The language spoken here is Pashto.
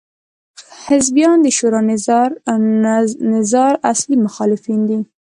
حزبیان د شورا نظار اصلي مخالفین دي.